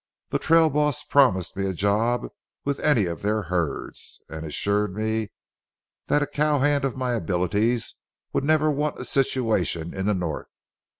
The trail boss promised me a job with any of their herds, and assured me that a cow hand of my abilities would never want a situation in the north.